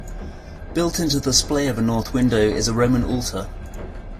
Built into the splay of a north window is a Roman altar.